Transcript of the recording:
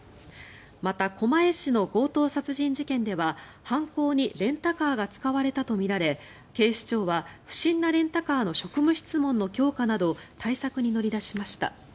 また、狛江市の強盗殺人事件では犯行にレンタカーが使われたとみられ警視庁は不審なレンタカーの職務質問の強化など対策に乗り出しました。